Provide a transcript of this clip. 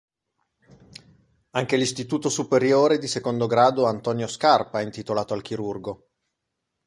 Anche l'istituto superiore di secondo grado Antonio Scarpa è intitolato al chirurgo.